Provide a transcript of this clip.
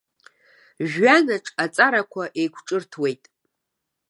Жәҩанаҿ аҵарақәа еиқәҿырҭуеит.